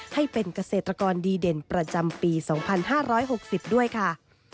ให้เป็นเกษตรกรดีเด่นประจำปี๒๕๖๐ด้วยค่ะ